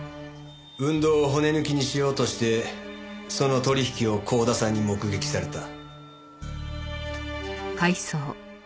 運動を骨抜きにしようとしてその取引を光田さんに目撃された。